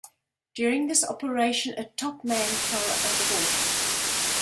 During this operation, a topman fell overboard.